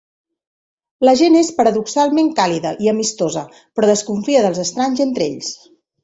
La gent és paradoxalment càlida i amistosa, però desconfia dels estranys entre ells.